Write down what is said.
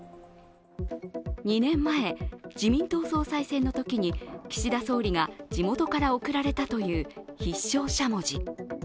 ２年前、自民党総裁選のときに岸田総理が地元から贈られたという必勝しゃもじ。